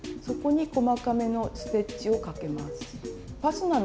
そこに細かめのステッチをかけます。